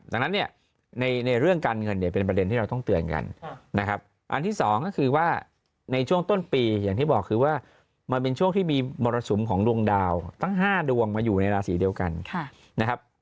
ดังนั้นเนี่ยในเรื่องการเงินเนี่ยเป็นประเด็นที่เราต้องเตือนกันนะครับอันที่สองก็คือว่าในช่วงต้นปีอย่างที่บอกคือว่ามันเป็นช่วงที่มีมรสุมของดวงดาวทั้ง๕ดวงมาอยู่ในราศีเดียวกันนะครับ